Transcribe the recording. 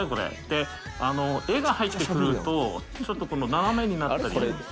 で、絵が入ってくると、ちょっとこの斜めになったり。